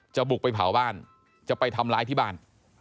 บุกไปเผาบ้านจะไปทำร้ายที่บ้าน